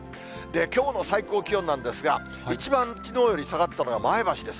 きょうの最高気温なんですが、一番きのうより下がったのが前橋です。